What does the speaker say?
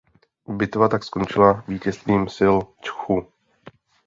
Bitva tak skončila vítězstvím sil Čchu.